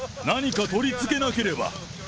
何か取り付けなければ。